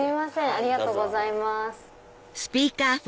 ありがとうございます。